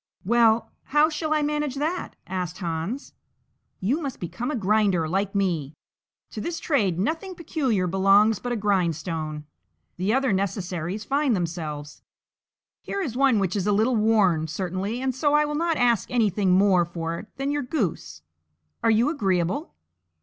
"Well! how shall I manage that?" asked Hans. "You must become a grinder like me; to this trade nothing peculiar belongs but a grindstone; the other necessaries find themselves. Here is one which is a little worn, certainly, and so I will not ask anything more for it than your goose; are you agreeable?"